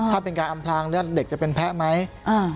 ถ้าเป็นการอำพลางเลือดเด็กจะเป็นแพ้ไหม